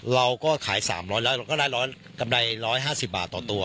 เราก็ขาย๓๐๐บาทแล้วก็ได้กำไร๑๕๐บาทต่อตัว